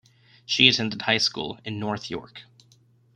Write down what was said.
She attended high school in North York.